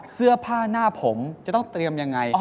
เสื้อผ้าหน้าผมจะต้องเตรียมยังไง